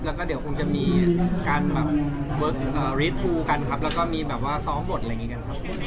แล้วก็เดี๋ยวคงจะมีการแบบรีดทูกันครับแล้วก็มีแบบว่าซ้อมบทอะไรอย่างนี้กันครับ